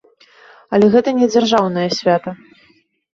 Але гэта не дзяржаўнае свята.